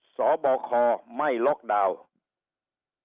สบคไม่ล็อกดาวน์